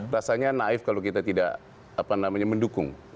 rasanya naif kalau kita tidak mendukung